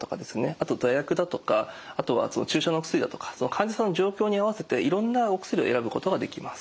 あと座薬だとかあとは注射のお薬だとか患者さんの状況に合わせていろんなお薬を選ぶことができます。